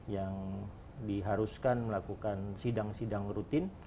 yang diharuskan melakukan sidang sidang rutin